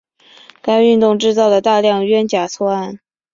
该运动制造了大量冤假错案。